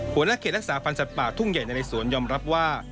หัวหน้าเขตรักษาพันธ์สัตว์ป่าทุ่งใหญ่ในเรสวนยอมรับว่า